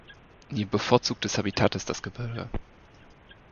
Ihr bevorzugtes Habitat ist das Gebirge.